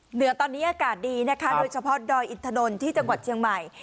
เหนือตอนนี้อากาศดีนะคะโดยเฉพาะดอยอินทนนท์ที่จังหวัดเชียงใหม่